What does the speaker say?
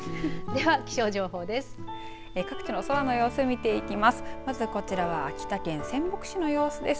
では、気象情報です。